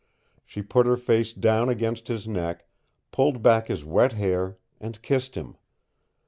She put her face down against his neck, pulled back his wet hair, and kissed him.